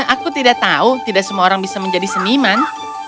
aku tidak tahu tidak semua orang bisa menjadi seniman